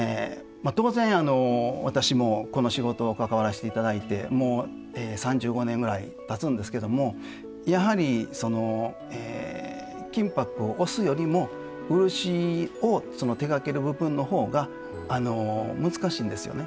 当然私もこの仕事関わらせて頂いてもう３５年ぐらいたつんですけどもやはり金箔を押すよりも漆を手がける部分の方が難しいんですよね。